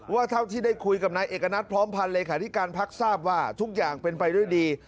เท่าที่ได้คุยกับนายเอกณัฐพร้อมพันธ์เลขาธิการพักทราบว่าทุกอย่างเป็นไปด้วยดี